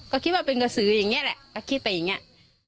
ก็คิดว่าเป็นกระสืออย่างนี้แหละก็คิดไปอย่างนี้